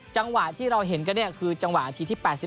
จังหวะที่เราเห็นกันเนี่ยคือจังหวะนาทีที่๘๐